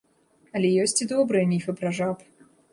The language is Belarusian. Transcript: Але ёсць і добрыя міфы пра жаб.